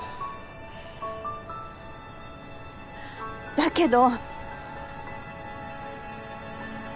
だけど。